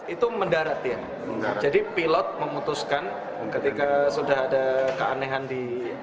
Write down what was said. itu mendarat ya jadi pilot memutuskan ketika sudah ada keanehan di